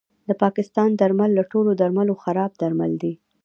د پاکستان درمل له ټولو درملو خراب درمل دي